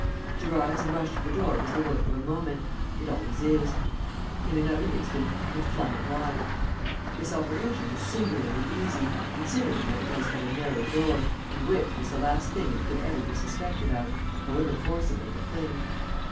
To rise and rush to the door was the work of a moment. It always is. In another instant I had flung it wide. This operation was singularly easy, considering that it was but a narrow door, and width was the last thing it could ever be suspected of, however forcible the fling.